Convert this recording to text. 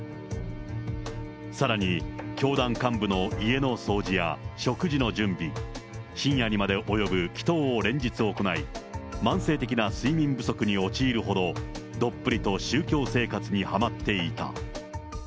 さらに教団幹部の家の掃除や食事の準備、深夜にまで及ぶ祈とうを連日行い、慢性的な睡眠不足に陥るほど、どっぷりと宗教生活にはまっていた。